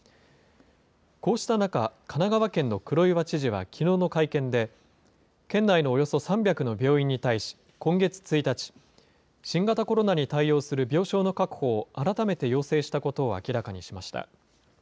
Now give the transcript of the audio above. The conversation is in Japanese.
こうした中、神奈川県の黒岩知事はきのうの会見で、県内のおよそ３００の病院に対し、今月１日、新型コロナに対応する病床の確保を改めて要請したことを明らかにしました。